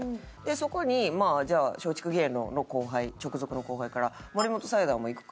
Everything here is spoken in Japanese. そこにじゃあ松竹芸能の後輩直属の後輩から「森本サイダーも行くか？」